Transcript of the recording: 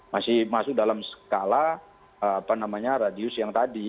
masih masuk dalam skala apa namanya radius yang tadi